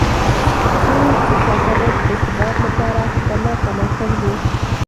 دوی د سلطنت د ثبات لپاره خطرناک عناصر وو.